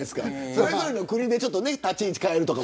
それぞれの国で立ち位置、変えるとか。